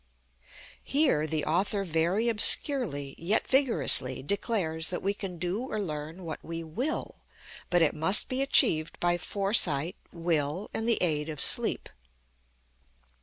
Here the author very obscurely, yet vigorously, declares that we can do or learn what we will, but it must be achieved by foresight, will, and the aid of sleep.